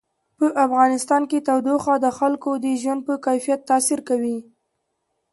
په افغانستان کې تودوخه د خلکو د ژوند په کیفیت تاثیر کوي.